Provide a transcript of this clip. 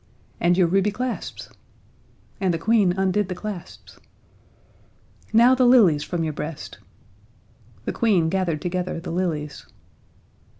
"And your ruby clasps." And the Queen undid the clasps. "Now the lilies from your breast." The Queen gathered together the lilies.